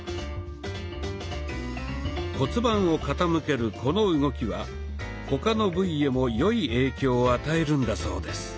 骨盤を傾けるこの動きは他の部位へも良い影響を与えるんだそうです。